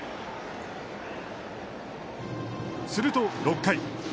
すると、６回。